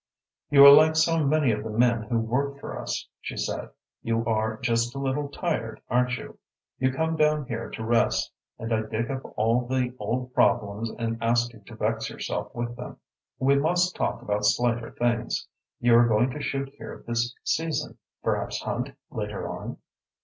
"You are like so many of the men who work for us," she said. "You are just a little tired, aren't you? You come down here to rest, and I dig up all the old problems and ask you to vex yourself with them. We must talk about slighter things. You are going to shoot here this season perhaps hunt, later on?"